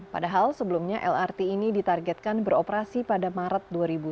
padahal sebelumnya lrt ini ditargetkan beroperasi pada maret dua ribu dua puluh